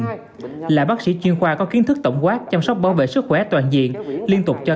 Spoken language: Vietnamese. gọi là bác sĩ khu vực thì ông phải nắm được tình hình sức khỏe trên địa bàn đó